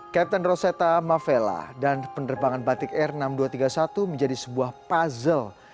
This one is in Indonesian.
captain roseta mavella dan penerbangan batik air enam ribu dua ratus tiga puluh satu menjadi sebuah puzzle